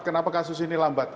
kenapa kasus ini lambat